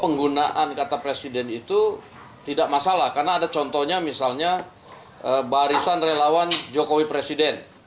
penggunaan kata presiden itu tidak masalah karena ada contohnya misalnya barisan relawan jokowi presiden